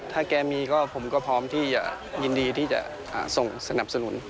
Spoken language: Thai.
ถ้าแกมีก็ผมก็พร้อมที่จะยินดีที่จะส่งสนับสนุน